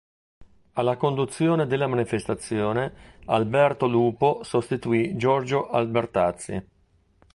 Alla conduzione della manifestazione Alberto Lupo sostituì Giorgio Albertazzi.